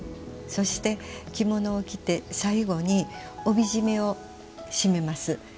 そして、着物を着て最後に帯締めを締めます。